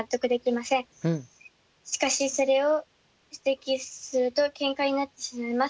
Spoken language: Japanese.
しかしそれを指摘するとケンカになってしまいます。